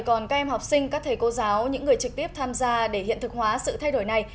còn các em học sinh các thầy cô giáo những người trực tiếp tham gia để hiện thực hóa sự thay đổi này